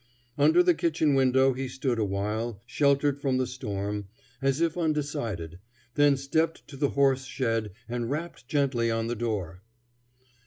Under the kitchen window he stood awhile, sheltered from the storm, as if undecided, then stepped to the horse shed and rapped gently on the door.